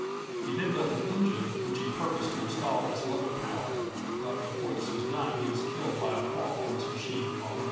He then built an engine which he purposed to install as motive power, but before this was done he was killed by a fall from his machine while in the air.